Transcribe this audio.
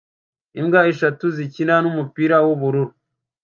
Imbwa eshatu zikina n'umupira w'ubururu